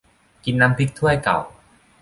กินน้ำพริกถ้วยเก่า